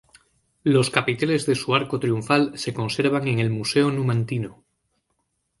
Los capiteles de su arco triunfal se conservan en el Museo Numantino.